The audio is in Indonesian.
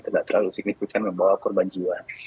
tidak terlalu signifikan membawa korban jiwa